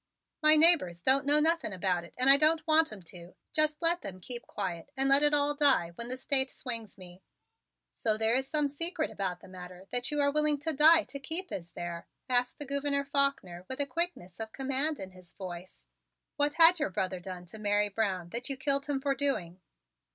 "My neighbors don't know nothing about it and I don't want 'em to. Just let them keep quiet and let it all die when the State swings me." "So there is some secret about the matter that you are willing to die to keep, is there?" asked the Gouverneur Faulkner with a quickness of command in his voice. "What had your brother done to Mary Brown that you killed him for doing?"